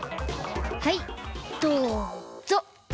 はいどうぞ！